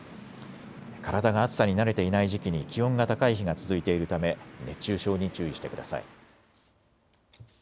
体が暑さに慣れていない時期に気温が高い日が続いているため熱中症に注意してください。